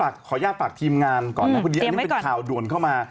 ขออนุญาตฝากทีมงานก่อนนะพอดีอันนี้เป็นข่าวด่วนเข้ามา